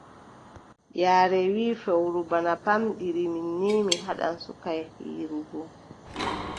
Yaare wii, fowru bana pamɗiri mi, nii, mi haɗan suka hiirugo.